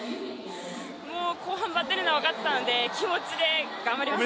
もう後半、ばてるの分かってたので気持ちで頑張りました。